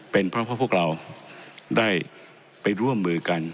เป็นเพราะพวกเราได้ไปร่วมมือกัน